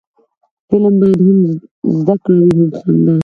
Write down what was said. فلم باید هم زده کړه وي، هم خندا